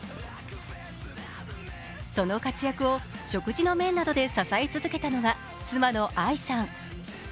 その活躍を食事の面などで支え続けたのが妻の愛さん。